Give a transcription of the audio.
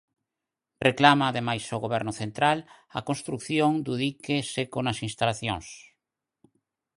Reclama ademais ao Goberno central a construción do dique seco nas instalacións.